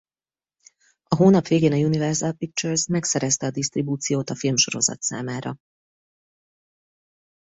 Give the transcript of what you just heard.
A hónap végén a Universal Pictures megszerezte a disztribúciót a filmsorozat számára.